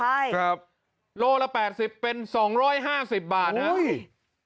ครับครับโลละ๘๐เป็น๒๕๐บาทนะโอ้โห